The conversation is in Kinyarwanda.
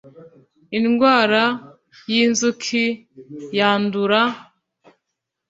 indwara y inzuki yandura